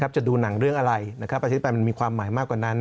จะดูหนังเรื่องอะไรประชาธิปไตยมันมีความหมายมากกว่านั้น